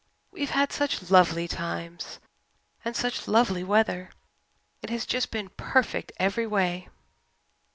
"We've had such lovely times and such lovely weather. It has just been perfect every way."